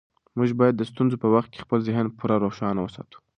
موږ باید د ستونزو په وخت کې خپل ذهن پوره روښانه وساتو.